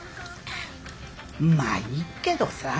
まあいいけどさ。